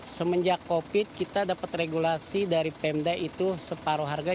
semenjak covid kita dapat regulasi dari pemda itu separuh harga